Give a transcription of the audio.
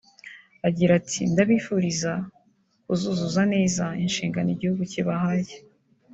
Agira ati “Ndabifuriza kuzuzuza neza inshingano igihugu kibahaye